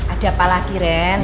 ada apa lagi ren